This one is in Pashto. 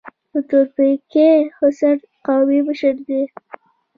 د تورپیکۍ خوسر قومي مشر دی.